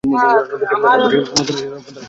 নদীটি মধ্য রাশিয়ার মধ্য দিয়ে প্রবাহিত হয়েছে।